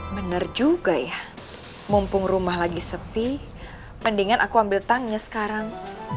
bener juga ya mumpung rumah lagi sepi pendinginan aku ambil tangnya sekarang